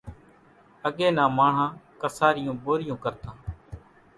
اڳيَ نان ماڻۿان ڪسارِيوُن ٻورِيون ڪرتان۔